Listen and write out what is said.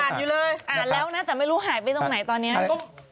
อ่านแล้วนะแต่ไม่รู้หายไปตรงไหนตอนนี้